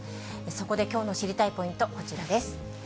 そこできょうの知りたいポイント、こちらです。